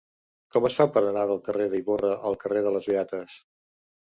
Com es fa per anar del carrer d'Ivorra al carrer de les Beates?